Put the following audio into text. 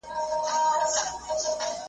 په میندلو د ډوډۍ چي سرګردان سو ,